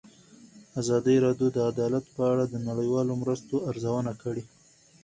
ازادي راډیو د عدالت په اړه د نړیوالو مرستو ارزونه کړې.